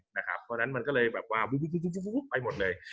เพราะฉะนั้นมันก็เลยแบบว่าไปหมดเลย